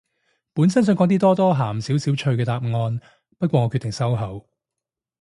本身想講啲多多鹹少少趣嘅答案，不過我決定收口